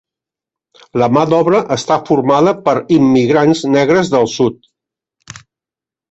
La mà d'obra està formada per immigrants negres del sud.